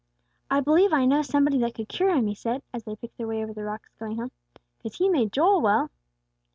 "I believe I know somebody that could cure him," he said, as they picked their way over the rocks, going home. "'Cause He made Joel well."